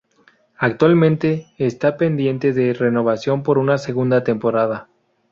Actualmente está pendiente de renovación por una segunda temporada.